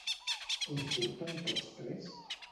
On surten tots tres?